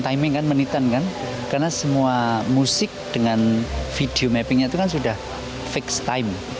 benar benar karena kita berdasarkan timing kan menitan kan karena semua musik dengan video mappingnya itu kan sudah fixed time